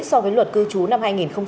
so với luật cư trú năm hai nghìn sáu